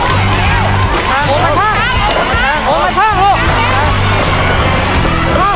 โอ้มมาช่องโอ้มมาช่องลูก